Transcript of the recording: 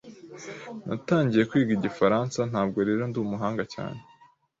Natangiye kwiga Igifaransa, ntabwo rero ndumuhanga cyane.